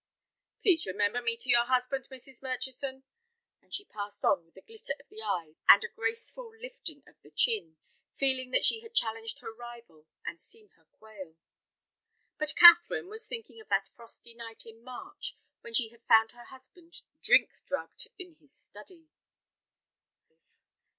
"Please remember me to your husband, Mrs. Murchison," and she passed on with a glitter of the eyes and a graceful lifting of the chin, feeling that she had challenged her rival and seen her quail. But Catherine was thinking of that frosty night in March when she had found her husband drink drugged in his study.